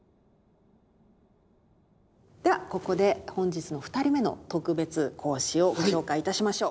ではここで本日の２人目の特別講師をご紹介いたしましょう。